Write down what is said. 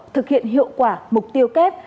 thực hiện hiệu quả mục tiêu kép